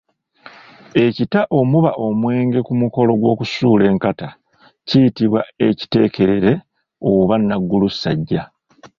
Ekita omuba omwenge ku mukolo gw’okusuula enkata kiyitibwa ekitekerere oba naggulasajja.